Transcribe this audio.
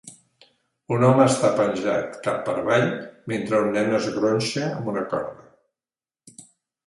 Un home està penjat cap per avall mentre un nen es gronxa amb una corda.